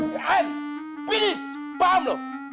ya kan finish paham lu